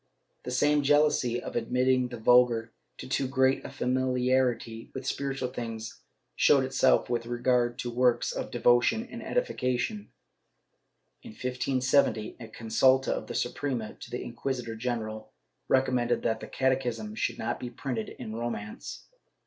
The same jealousy of admitting the vulgar to too great a famili arity with spiritual things showed itself with regard to works of devotion and edification. In 1570 a consulta of the Suprema to the inquisitor general recommended that the catechism should not be printed in Romance.